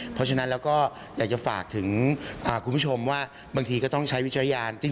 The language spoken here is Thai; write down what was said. เพราะฉะนั้นเราก็อยากจะฝากถึงคุณผู้ชมว่าบางทีก็ต้องใช้วิจารณญาณ